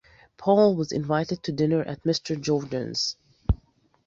Paul was invited to dinner at Mr. Jordan’s.